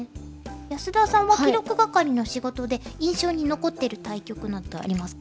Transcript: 安田さんは記録係の仕事で印象に残ってる対局なんてありますか？